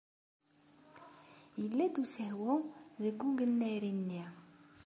Yella-d usehwu deg ugennari-nni.